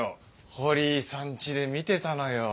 ホリーさん家で見てたのよ。